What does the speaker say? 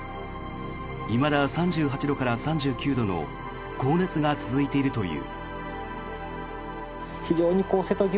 いまだ３８度から３９度の高熱が続いているという。